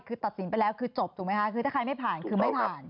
คือตัดสินไปแล้วคือจบถูกไหมคะคือถ้าใครไม่ผ่านคือไม่ผ่าน